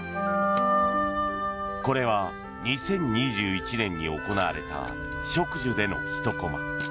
これは２０２１年に行われた植樹でのひとコマ。